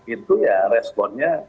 itu ya responnya